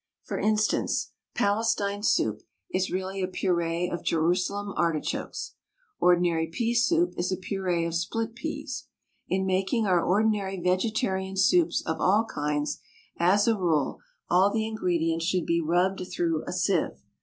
For instance, Palestine soup is really a puree of Jerusalem artichokes; ordinary pea soup is a puree of split peas. In making our ordinary vegetarian soups of all kinds, as a rule, all the ingredients should be rubbed through a sieve.